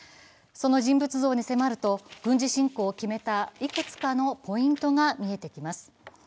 その人物像に迫ると、軍事侵攻を決めたいくつかのポイントが見えてきます。